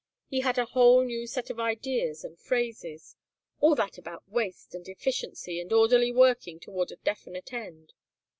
He had a whole new set of ideas and phrases; all that about waste and efficiency and orderly working toward a definite end.